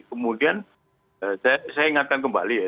kemudian saya ingatkan kembali ya